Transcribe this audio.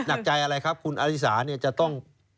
หนักใจอะไรครับคุณอลิสาจะต้อง